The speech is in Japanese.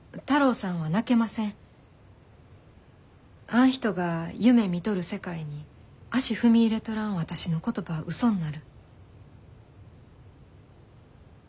あん人が夢みとる世界に足踏み入れとらん私の言葉はうそんなる。